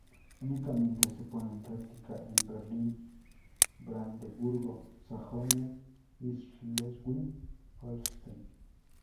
Únicamente se pone en práctica en Berlín, Brandeburgo, Sajonia y Schleswig-Holstein.